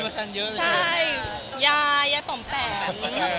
ใช่ยายยายต่อมแตน